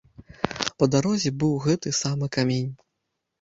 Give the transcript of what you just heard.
Па дарозе быў гэты самы камень.